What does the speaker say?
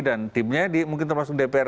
dan timnya mungkin termasuk dpr